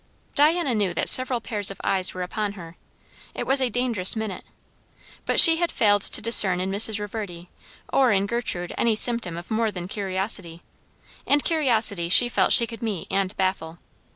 Diana knew that several pairs of eyes were upon her. It was a dangerous minute. But she had failed to discern in Mrs. Reverdy or in Gertrude any symptom of more than curiosity; and curiosity she felt she could meet and baffle.